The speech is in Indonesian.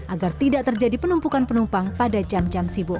agar tidak terjadi penumpukan penumpang pada jam jam sibuk